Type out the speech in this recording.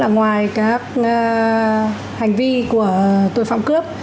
ngoài các hành vi của tội phạm cướp